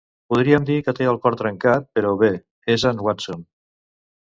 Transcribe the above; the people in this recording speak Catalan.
Podríem dir que té el cor trencat, però, bé, és en Watson.